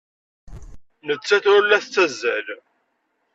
Nettat ur la tettazzal.